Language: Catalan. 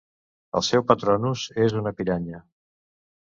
El seu patronus és una piranya.